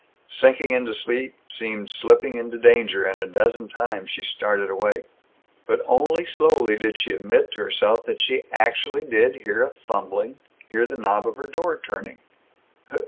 Sinking into sleep seemed slipping into danger, and a dozen times she started awake. But only slowly did she admit to herself that she actually did hear a fumbling, hear the knob of her door turning.